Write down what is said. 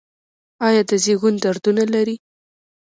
ایا د زیږون دردونه لرئ؟